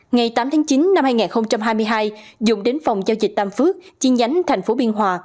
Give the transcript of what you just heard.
ngày tám tháng chín năm hai nghìn hai mươi hai dũng đến phòng giao dịch tam phước chiên nhánh thành phố biên hòa